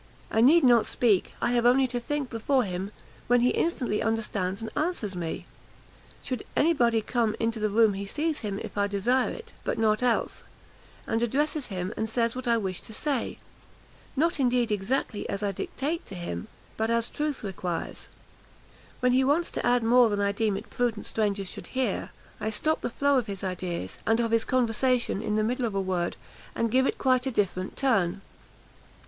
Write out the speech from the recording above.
I need not speak; I have only to think before him, when he instantly understands and answers me. Should any body come into the room, he sees him, if I desire it (but not else), and addresses him, and says what I wish to say; not indeed exactly as I dictate to him, but as truth requires. When he wants to add more than I deem it prudent strangers should hear, I stop the flow of his ideas, and of his conversation in the middle of a word, and give it quite a different turn!"